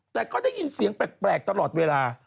แต่ก็ได้ยินเสียงแปลกตลอดเวลา